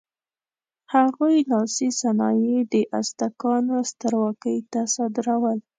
هغوی لاسي صنایع د ازتکانو سترواکۍ ته صادرول.